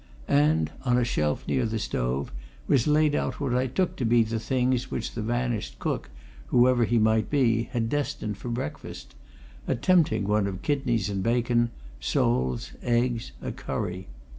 And on a shelf near the stove was laid out what I took to be the things which the vanished cook, whoever he might be, had destined for breakfast a tempting one of kidneys and bacon, soles, eggs, a curry.